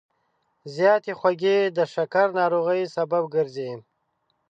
زیاتې خوږې د شکر ناروغۍ سبب ګرځي.